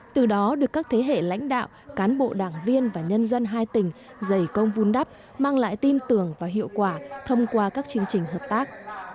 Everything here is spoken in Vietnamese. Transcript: từ đó được các thế hệ lãnh đạo cán bộ đảng viên và nhân dân hai tỉnh dày công vun đắp mang lại tin tưởng và hiệu quả thông qua các chương trình hợp tác